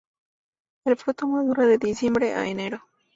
El fruto madura de diciembre a enero.